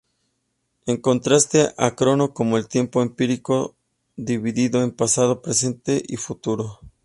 En contraste a Crono como el tiempo empírico dividido en pasado presente y futuro.